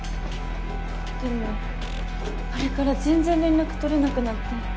でもあれから全然連絡取れなくなって。